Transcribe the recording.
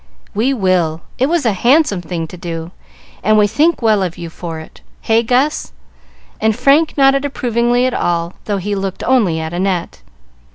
"We will. It was a handsome thing to do, and we think well of you for it. Hey, Gus?" and Frank nodded approvingly at all, though he looked only at Annette.